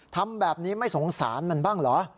ทำแบบนี้ไม่สงสารมันบ้างเหรอ